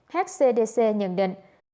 hcdc nhận định